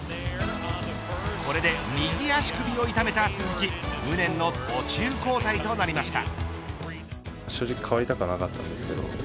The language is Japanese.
これで右足首を痛めた鈴木無念の途中交代となりました。